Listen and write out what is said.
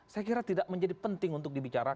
saya kira tidak menjadi penting untuk dibicarakan